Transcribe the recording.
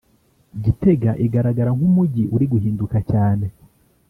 Gitega igaragara nk’umujyi uri guhinduka cyane